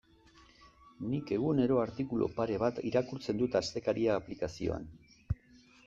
Nik egunero artikulu pare bat irakurtzen dut Astekaria aplikazioan.